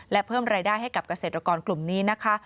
และเพิ่มรายได้ให้กับเกษตรกรกลุ่มนี้นะคะ